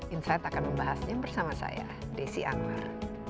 insight akan membahasnya bersama saya desi anwar